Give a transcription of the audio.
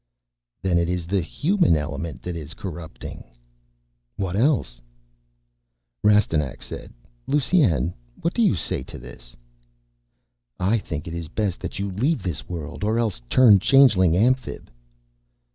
"Then it is the human element that is corrupting?" "What else?" Rastignac said, "Lusine, what do you say to this?" "I think it is best that you leave this world. Or else turn Changeling Amphib."